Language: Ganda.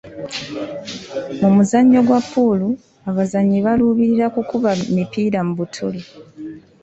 Mu muzannyo gwa puulu, abazannyi baluubirira kukuba mipiira mu bituli.